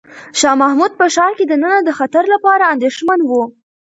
شاه محمود په ښار کې دننه د خطر لپاره اندېښمن و.